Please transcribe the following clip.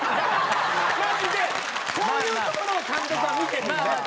マジでこういうところを監督は見てるんで。